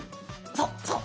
そうそう。